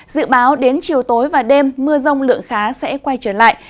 dự báo đến chiều tối và đêm mưa rông lượng khá sẽ quay trở lại